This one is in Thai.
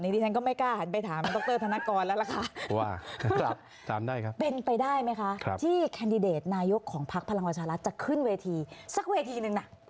ที่แคนดิเดตนายุทธ์ของภักดิ์พลังวัชฌาลัทธ์จะขึ้นเวทีสักเวทีหนึ่ง